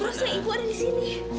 maksudnya ibu ada di sini